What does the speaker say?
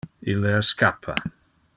Ille escappa.